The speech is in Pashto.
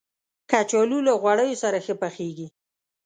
کچالو له غوړیو سره ښه پخیږي